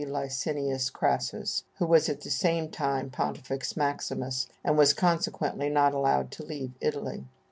Licinius Crassus, who was at the same time pontifex maximus, and was consequently not allowed to leave Italy.